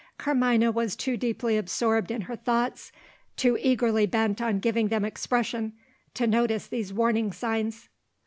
Carmina was too deeply absorbed in her thoughts, too eagerly bent on giving them expression, to notice these warning signs.